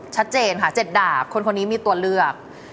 ชัดเจนค่ะ๗ดาบคนนี้มีตัวเลือก